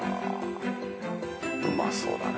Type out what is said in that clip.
うまそうだね